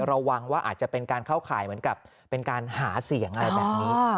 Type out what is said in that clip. ระวังว่าอาจจะเป็นการเข้าข่ายเหมือนกับเป็นการหาเสียงอะไรแบบนี้